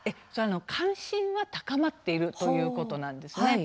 関心は高まっているということなんです。